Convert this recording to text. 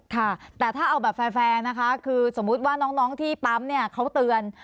ค่ะแต่ถ้าเอาแบบแฟร์นะคะคือสมมุติว่าน้องที่ปั๊มเนี่ยเขาเตือน